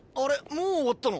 もう終わったの？